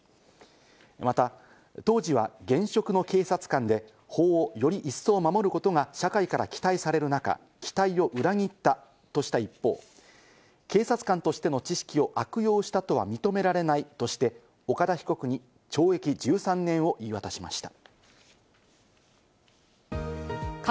また当時は現職の警察官で、法をより一層守ることが社会から期待される中、期待を裏切ったとした一方、警察官としての知識を悪用したとは認められないとして、岡田被告に懲役１３年を言い渡しました。